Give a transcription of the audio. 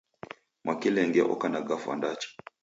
Mwakilenge oka na gafwa ndacha.